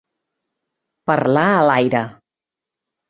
Parlar a l'aire.